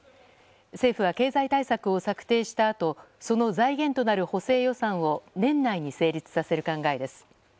政府は経済対策を策定したあとその財源となる補正予算を年内に成立させる考えです。